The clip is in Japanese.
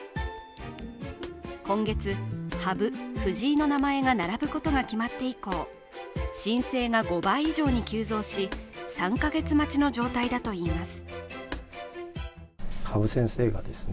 今月、羽生・藤井の名前が並ぶことが決まって以降、申請が５倍以上に急増し３か月待ちの状態だといいます。